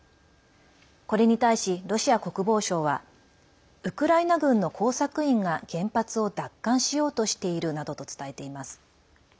これに対し、ロシア国防省はウクライナ軍の工作員が原発を奪還しようとしているなどと伝えています。